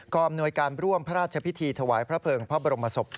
อำนวยการร่วมพระราชพิธีถวายพระเภิงพระบรมศพ